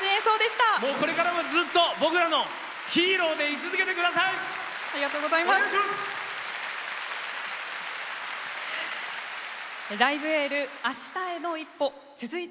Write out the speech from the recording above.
これからもずっと僕らのヒーローでい続けてください！